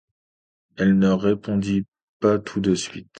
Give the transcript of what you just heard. Elle ne répondit pas tout de suite.